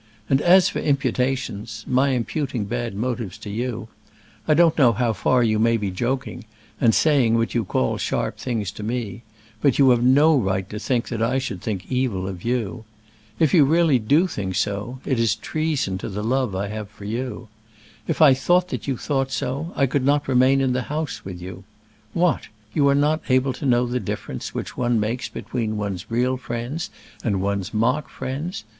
And as for imputations, my imputing bad motives to you, I don't know how far you may be joking, and saying what you call sharp things to me; but you have no right to think that I should think evil of you. If you really do think so, it is treason to the love I have for you. If I thought that you thought so, I could not remain in the house with you. What! you are not able to know the difference which one makes between one's real friends and one's mock friends!